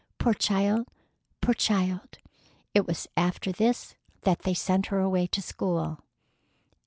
Poor child! Poor child!" It was after this that they sent her away to school.